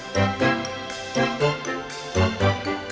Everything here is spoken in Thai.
แสงได้